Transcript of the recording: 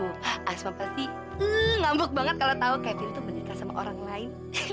bu asma pasti ngambuk banget kalau tahu kevin tuh menikah sama orang lain